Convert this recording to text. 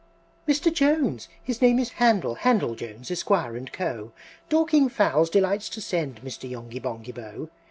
"Mr. Jones (his name is Handel, Handel Jones, Esquire, & Co.) Dorking fowls delights to send, Mr. Yonghy Bonghy Bò!